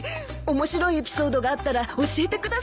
面白いエピソードがあったら教えてください。